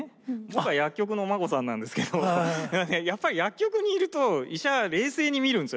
僕は薬局のお孫さんなんですけどやっぱり薬局にいると医者を冷静に見るんですよ。